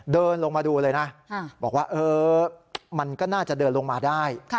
เดินลงมาดูเลยนะบอกว่ามันก็น่าจะเดินลงมาได้